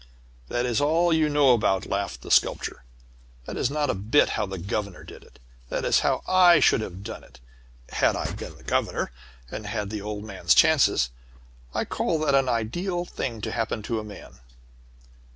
"That is all you know about it," laughed the Sculptor. "That is not a bit how the governor did it. That is how I should have done it, had I been the governor, and had the old man's chances. I call that an ideal thing to happen to a man."